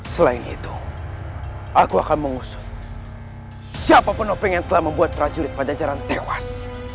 selain itu aku akan mengusut siapa pun yang telah membuat prajurit pencejaran tewas